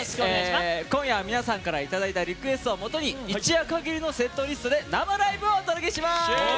今夜は皆さんからいただいたリクエストをもとに一夜かぎりのセットリストで生ライブをお届けします！